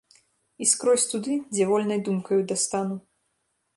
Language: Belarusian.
І скрозь туды, дзе вольнай думкаю дастану.